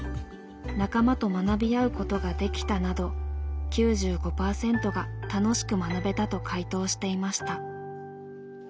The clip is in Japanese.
「仲間と学び合うことができた」など９５％が「楽しく学べた」と回答していました。